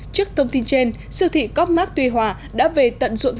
trước thông tin trên siêu thị cóc mát tuy hòa đã về tận dụng